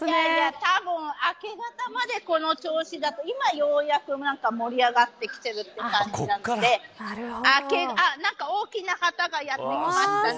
たぶん明け方までこの調子だと今ようやく盛り上がってきている感じなので何か大きな旗がやってきましたね。